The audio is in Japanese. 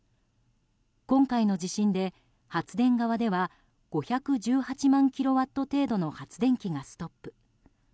今回の地震で発電側では５１８万キロワット程度の発電機がストップ。